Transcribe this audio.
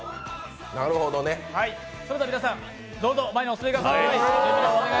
それでは皆さん、どうぞ前にお進みください。